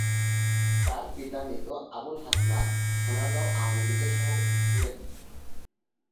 তার পিতা মৃত আবুল হাসনাত সোনারগাঁও আওয়ামী লীগের সভাপতি ছিলেন।